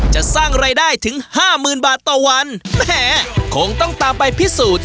จะสร้างรายได้ถึงห้าหมื่นบาทต่อวันแหมคงต้องตามไปพิสูจน์